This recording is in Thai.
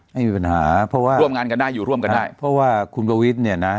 ไม่มีปัญหาเพราะว่าร่วมงานกันได้อยู่ร่วมกันได้เพราะว่าคุณประวิทย์เนี่ยนะ